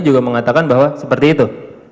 juga mengatakan bahwa seperti itu